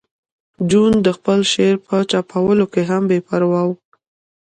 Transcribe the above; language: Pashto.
جون د خپل شعر په چاپولو کې هم بې پروا و